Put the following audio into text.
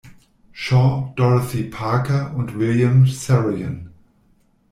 Shaw, Dorothy Parker und William Saroyan.